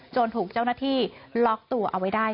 ถูกเจ้าหน้าที่ล็อกตัวเอาไว้ได้